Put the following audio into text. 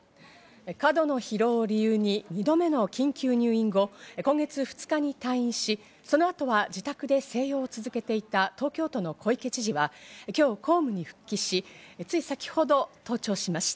過度の疲労を理由に２度目の緊急入院後、今月２日に退院し、その後は自宅で静養を続けていた東京都の小池知事は今日、公務に復帰し、つい先程、登庁しました。